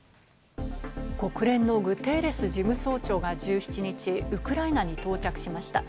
国連のグテーレス事務総長が１７日、ウクライナに到着しました。